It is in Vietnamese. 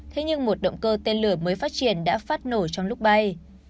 thế nhưng một động cơ tên lửa mới phát triển đã phát nổ trong lúc bay